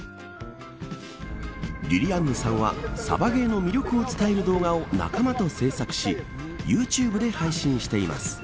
りりあんぬさんはサバゲーの魅力を伝える動画を仲間と制作しＹｏｕＴｕｂｅで配信しています。